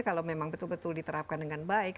kalau memang betul betul diterapkan dengan baik